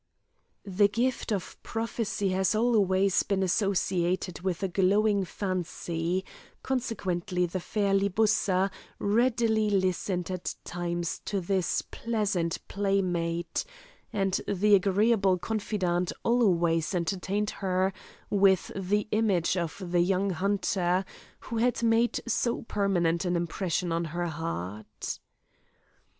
The gift of prophecy has always been associated with a glowing fancy; consequently the fair Libussa readily listened at times to this pleasant playmate, and the agreeable confidant always entertained her with the image of the young hunter, who had made so permanent an impression on her heart.